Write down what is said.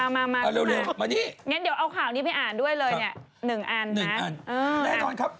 มาค่ะงั้นเดี๋ยวเอาข่าวนี้ไปอ่านด้วยเลยเนี่ย๑อันนะครับแน่นอนครับ